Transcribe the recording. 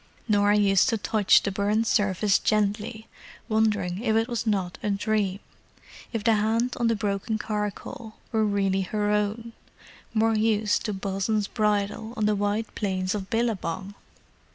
Norah used to touch the burned surface gently, wondering if it was not a dream—if the hand on the broken charcoal were really her own, more used to Bosun's bridle on the wide plains of Billabong!